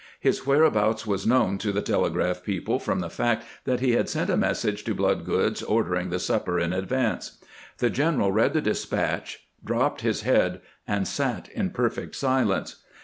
His whereabouts was known to the telegraph people from the fact that he had sent a message to Bloodgood's ordering the supper in advance. The general read the despatch, dropped his head, and sat in perfect silence.